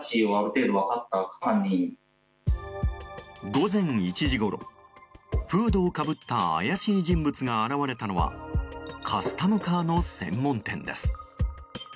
午前１時ごろフードをかぶった怪しい人物が現れたのはカスタムカーの専門店です。